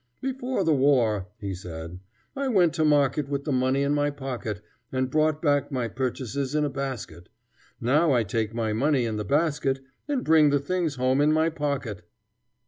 "Before the war," he said, "I went to market with the money in my pocket, and brought back my purchases in a basket; now I take the money in the basket, and bring the things home in my pocket."